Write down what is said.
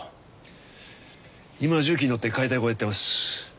今重機に乗って解体工やってます。